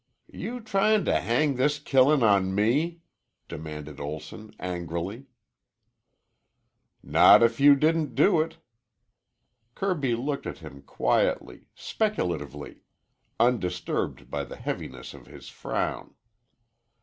"You tryin' to hang this killin' on me?" demanded Olson angrily. "Not if you didn't do it." Kirby looked at him quietly, speculatively, undisturbed by the heaviness of his frown.